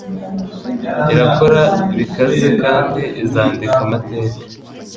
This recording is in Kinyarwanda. Irakora bikaze kandi izandika amateka